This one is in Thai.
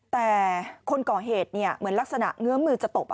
แต่คนก่อเหตุเหมือนลักษณะเงื้อมือจะตบ